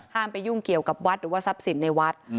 ไปยุ่งเกี่ยวกับวัดหรือว่าทรัพย์สินในวัด